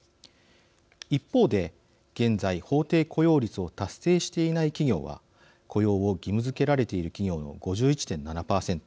一方で現在、法定雇用率を達成していない企業は雇用を義務づけられている企業の５１．７％。